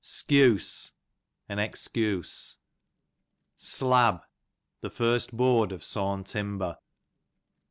Skuse, ail excuse. Slab, the first board of sawn timber.